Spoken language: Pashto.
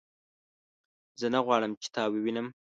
زه نه غواړم چې تا ووینم